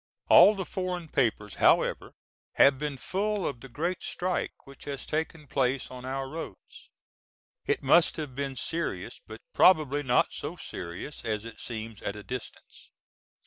All the foreign papers however have been full of the great strike which has taken place on our roads. It must have been serious but probably not so serious as it seemed at a distance.